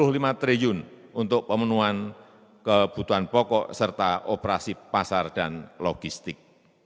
rp satu lima triliun untuk pemenuhan kebutuhan pokok serta operasi pasar dan logistik